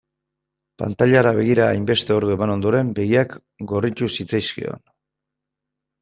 Pantailara begira hainbeste ordu eman ondoren begiak gorritu zitzaizkion.